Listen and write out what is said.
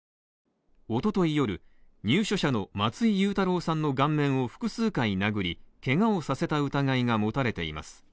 おととい夜、入所者の松井祐太朗さんの顔面を複数回殴りけがをさせた疑いが持たれています。